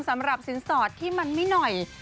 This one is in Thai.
สำหรับสินสอดที่มันไม่หน่อย